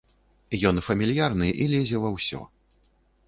Ён фамільярны і лезе ва ўсё.